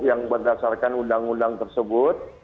yang berdasarkan undang undang tersebut